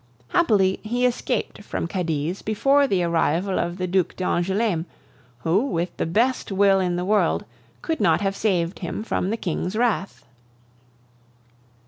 Happily, he escaped from Cadiz before the arrival of the Duc d'Angouleme, who, with the best will in the world, could not have saved him from the King's wrath."